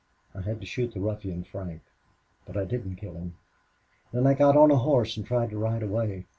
I had to shoot the ruffian Frank. But I didn't kill him. Then I got on a horse and tried to ride away.